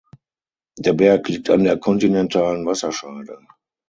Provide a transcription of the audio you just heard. Der Berg liegt an der kontinentalen Wasserscheide.